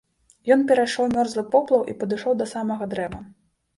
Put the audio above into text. Ён перайшоў мёрзлы поплаў і падышоў да самага дрэва.